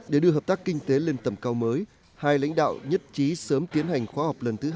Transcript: để đưa hợp tác kinh tế lên tầm cao mới hai lãnh đạo nhất trí sớm tiến hành khoa học lần thứ hai mươi bốn